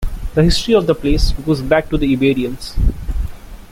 The history of the place goes back to the Iberians.